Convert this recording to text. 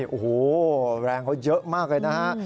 โอ้โหแรงเขาเยอะมากเลยนะฮะ